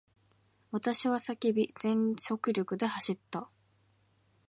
私は叫び、全速力で走った。